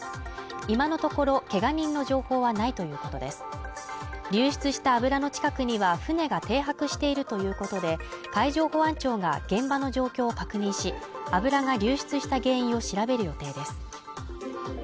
今のところけが人の情報はないということです流出した油の近くには船が停泊しているということで、海上保安庁が現場の状況を確認し、油が流出した原因を調べる予定です。